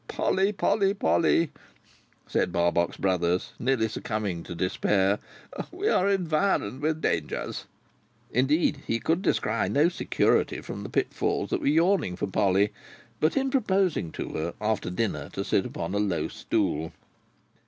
Whew! Polly, Polly, Polly," said Barbox Brothers, nearly succumbing to despair, "we are environed with dangers!" Indeed, he could descry no security from the pitfalls that were yawning for Polly, but in proposing to her, after dinner, to sit upon a low stool.